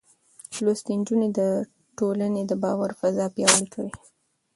لوستې نجونې د ټولنې د باور فضا پياوړې کوي.